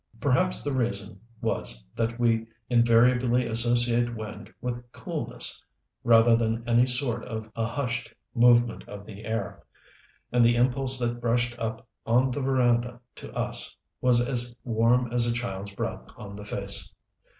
Perhaps the reason was that we invariably associate wind with coolness, rather than any sort of a hushed movement of the air and the impulse that brushed up on the veranda to us was as warm as a child's breath on the face.